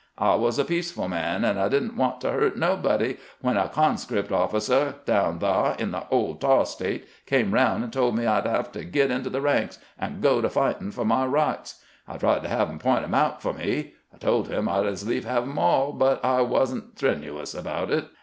I was a peaceful man, and I did n't want to hurt nobody, when a conscript 158 CAMPAIGNING WITH GEANT offieali down thah in tlie ole Tar State come around, and told me I 'd have to git into the ranks, and go to flghtin' f o' my rights. I tried to have him p'int 'em out f o' me. I told him I 'd as lief have 'em all, but I was n't strenuous about it.